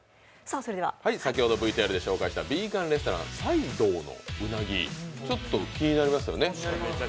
先ほどＶＴＲで紹介したヴィーガンレストラン菜道のうなぎ、ちょっと気になりましたよね。